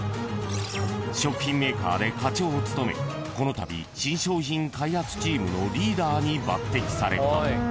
［食品メーカーで課長を務めこのたび新商品開発チームのリーダーに抜てきされた］